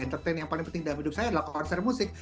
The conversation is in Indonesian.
entertain yang paling penting dalam hidup saya adalah konser musik